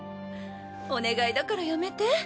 お願いだからやめて。